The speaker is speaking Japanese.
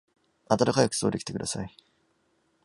あたたかい服装で来てください。